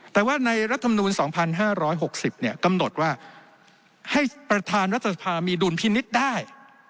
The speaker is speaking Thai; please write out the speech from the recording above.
แต่ว่าในรัฐมนูล๒๕๖๐กำหนดว่าให้ประธานรัฐสภามีดุลพินิษฐ์ได้